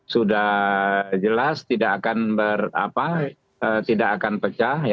sudah jelas tidak akan pecah